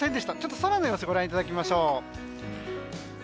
空の様子をご覧いただきましょう。